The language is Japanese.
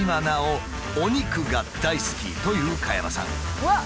うわっ！